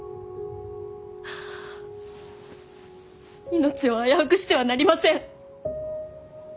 命を危うくしてはなりません。